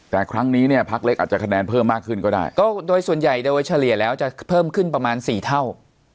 แต่ครั้งนี้เนี่ยพักเล็กอาจจะคะแนนเพิ่มมากขึ้นก็ได้ก็โดยส่วนใหญ่โดยเฉลี่ยแล้วจะเพิ่มขึ้นประมาณสี่เท่า